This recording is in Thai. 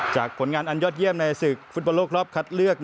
ผลงานอันยอดเยี่ยมในศึกฟุตบอลโลกรอบคัดเลือก